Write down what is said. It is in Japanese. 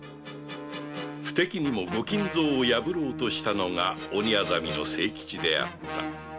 不敵にもご金蔵を破ろうとしたのが「鬼薊」の清吉であった